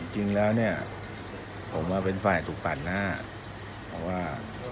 จริงแล้วเนี่ยผมเป็นฝ่ายถูกปัดหน้าเพราะว่า